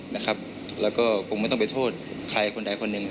และผมไม่ต้องไปโทษใครคนไหนคนหนึ่ง